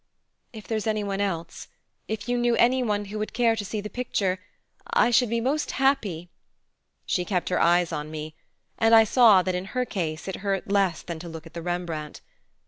"If there's any one else if you knew any one who would care to see the picture, I should be most happy " She kept her eyes on me, and I saw that, in her case, it hurt less than to look at the Rembrandt.